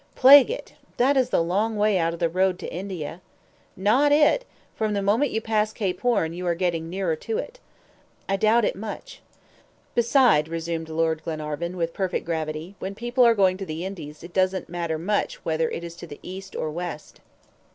"Plague it! That is a long way out of the road to India." "Not it! From the moment you pass Cape Horn, you are getting nearer to it." "I doubt it much." "Beside," resumed Lord Glenarvan, with perfect gravity, "when people are going to the Indies it doesn't matter much whether it is to the East or West."